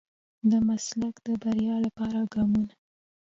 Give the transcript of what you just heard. د مسلک د بريا لپاره ګامونه.